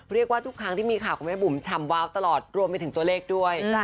เรียกว่าทุกครั้งที่มีข่าวของแม่บุ๋มชำวาวตลอดรวมไปถึงตัวเลขด้วย